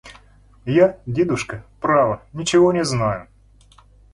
– Я, дедушка, право, ничего не знаю.